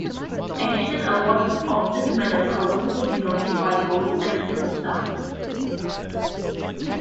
Additional awards of this medal are also denoted by gold and silver stars.